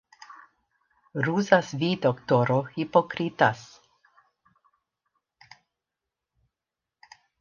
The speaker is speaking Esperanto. Ruzas vi, doktoro, hipokritas.